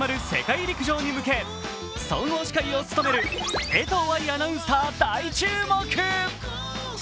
間もなく始まる世界陸上へ向け、総合司会を務める江藤愛アナウンサー大注目。